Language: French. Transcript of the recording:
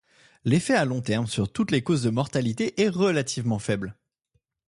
L'effet à long terme sur toutes les causes de mortalité est relativement faible.